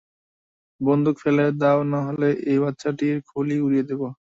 বন্দুক ফেলে দাও নাহলে এই বাচ্চাটার খুলি উড়িয়ে দিব।